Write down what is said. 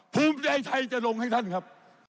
ภูมิใจไทยจะลงให้ท่านครับ